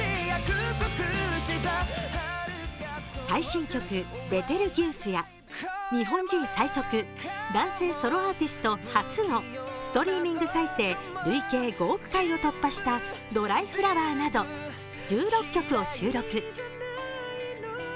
最新曲「ベテルギウス」や日本人最速男性ソロアーティスト初のストリーミング再生累計５億回を突破した「ドライフラワー」など１６曲を収録。